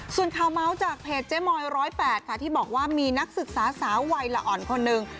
ส่วนข่าวเมาส์จากเพจเจ๊มอย๑๐๘ค่ะที่บอกว่ามีนักศึกษาสาววัยละอ่อนคนหนึ่ง